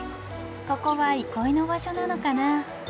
ここは憩いの場所なのかな。